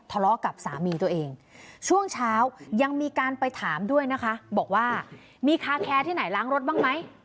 ทะเลาะกับสามีตัวเองช่วงเช้ายังมีการไปถามด้วยนะคะบอกว่ามีคาแคร์ที่ไหนล้างรถบ้างไหม